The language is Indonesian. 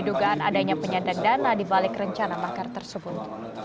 dugaan adanya penyandang dana dibalik rencana makar tersebut